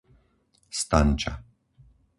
Stanča